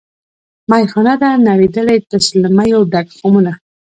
میخانه ده نړېدلې تش له میو ډک خُمونه